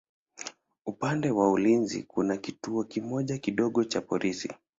Upande wa ulinzi kuna kituo kimoja kidogo cha polisi.